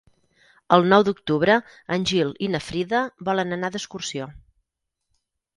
El nou d'octubre en Gil i na Frida volen anar d'excursió.